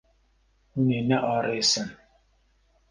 Hûn ê nearêsin.